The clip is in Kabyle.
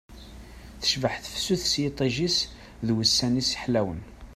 Tecbeḥ tefsut s yiṭij-is d wussan-is ḥlawen